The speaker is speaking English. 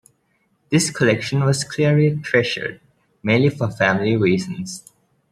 This collection was clearly treasured, mainly for family reasons.